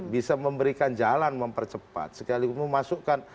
bisa memberikan jalan mempercepat sekaligus memasukkan